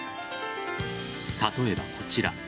例えばこちら。